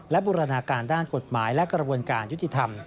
และบูรณาการด้านกฎหมายและกระบวนการยุติธรรม